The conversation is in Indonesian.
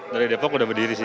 dari depok udah berdiri sih